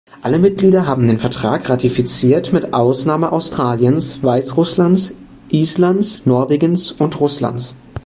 Alle Mitglieder haben den Vertrag ratifiziert, mit Ausnahme Australiens, Weißrusslands, Islands, Norwegens und Russlands.